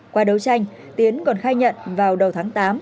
qua đấu tranh tiến còn khai nhận vào đầu tháng tám